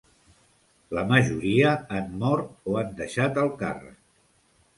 La majoria han mort o han deixat el càrrec.